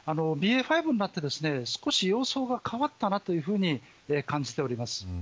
ＢＡ．５になって少し様相が変わったなと感じております。